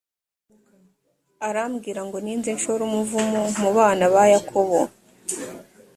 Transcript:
arambwoira ngo ninze nshore umuvumo mu bana ba yakobo.